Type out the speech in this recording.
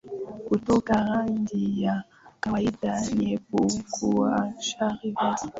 kutoka rangi ya kawaida nyeupe kuwa rangi ya